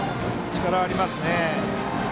力、ありますね。